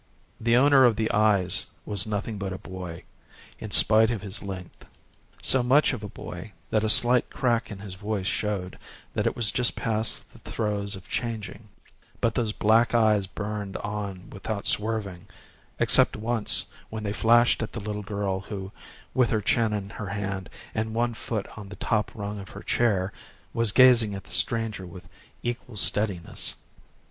The owner of the eyes was nothing but a boy, in spite of his length: so much of a boy that a slight crack in his voice showed that it was just past the throes of "changing," but those black eyes burned on without swerving except once when they flashed at the little girl who, with her chin in her hand and one foot on the top rung of her chair, was gazing at the stranger with equal steadiness.